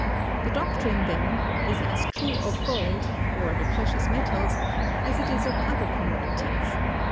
The doctrine, then, is as true of gold, or the precious metals, as it is of other commodities.